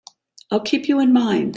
I'll keep you in mind.